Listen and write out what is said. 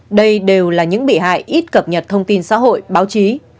các đối tượng bị hại đều là những bị hại ít cập nhật thông tin xã hội báo chí